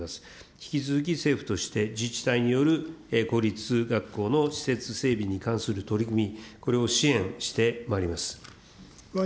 引き続き政府として自治体による公立学校の施設整備に関する取り組み、これを支援してまいります。